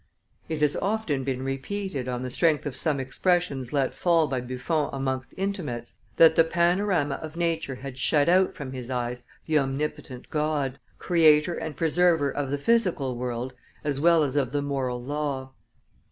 It has often been repeated, on the strength of some expressions let fall by Buffon amongst intimates, that the panorama of nature had shut out from his eyes the omnipotent God, creator and preserver of the physical world as well as of the moral law.